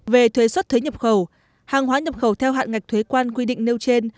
về thuế xuất thuế nhập khẩu hàng hóa nhập khẩu theo hạn ngạch thuế quan quy định nêu trên